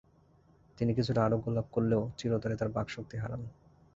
তিনি কিছুটা আরোগ্য লাভ করলেও চীরতরে তার বাকশক্তি হারান।